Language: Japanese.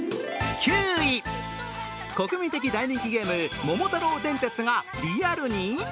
国民的大人気ゲーム「桃太郎電鉄」がリアルに？